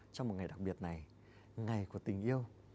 trong một ngày đặc biệt này ngày của tình yêu